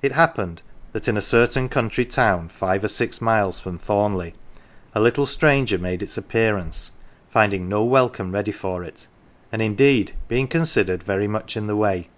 29 GAFFER'S CHILD It happened that in a certain country town five or six miles from Thornleigh a little stranger made its appearance, finding no welcome ready for it, and indeed being considered very much in the way.